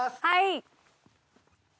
はい！